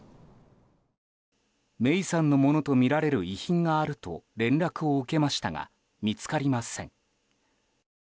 芽生さんのものとみられる遺品があると連絡を受けましたが見つかりません。